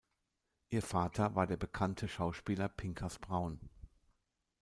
Ihr Vater war der bekannte Schauspieler Pinkas Braun.